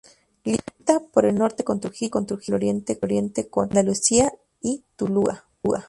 Limita por el norte con Trujillo, por el oriente con Andalucía y Tuluá.